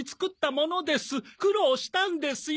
苦労したんですよ